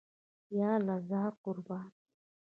یاله زار، قربان.